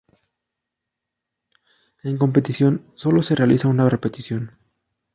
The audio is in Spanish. En competición, sólo se realiza una repetición.